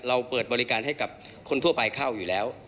เปิดบริการให้กับคนทั่วไปเข้าอยู่แล้ว